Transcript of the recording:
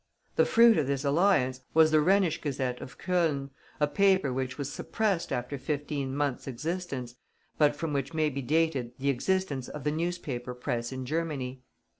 The fruit of this alliance was the Rhenish Gazette of Cologne, a paper which was suppressed after fifteen months' existence, but from which may be dated the existence of the Newspaper Press in Germany.